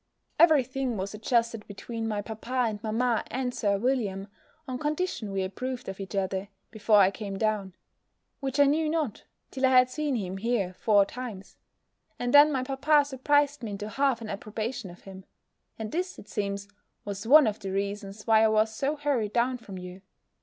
Every thing was adjusted between my papa and mamma, and Sir William, on condition we approved of each other, before I came down; which I knew not, till I had seen him here four times; and then my papa surprised me into half an approbation of him: and this, it seems, was one of the reasons why I was so hurried down from you.